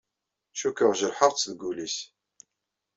Cikkeɣ jerḥeɣ-t deg wul-nnes.